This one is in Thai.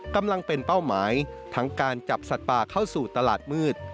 กำลังเป็นเป้าหมายทั้งการจับสัตว์ป่าเข้าสู่ตลาดมืด